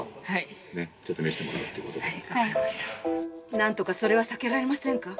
「なんとかそれはさけられませんか？」。